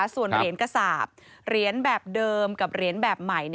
ส่วนเหรียญกระสาปเหรียญแบบเดิมกับเหรียญแบบใหม่